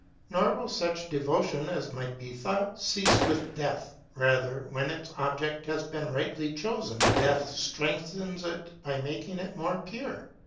Nor will such devotion, as might be thought, cease with death; rather, when its object has been rightly chosen, death strengthens it by making it more pure.